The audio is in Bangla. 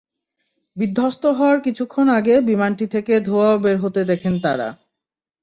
বিধ্বস্ত হওয়ার কিছুক্ষণ আগে বিমানটি থেকে ধোঁয়াও বের হতে দেখেন তাঁরা।